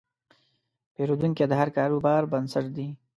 پیرودونکی د هر کاروبار بنسټ دی.